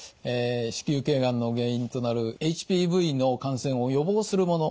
子宮頸がんの原因となるＨＰＶの感染を予防するものです。